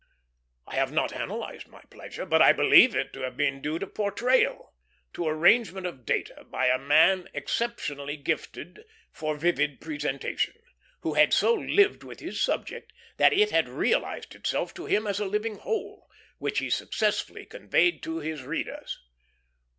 I have not analyzed my pleasure, but I believe it to have been due to portrayal; to arrangement of data by a man exceptionally gifted for vivid presentation, who had so lived with his subject that it had realized itself to him as a living whole, which he successfully conveyed to his readers.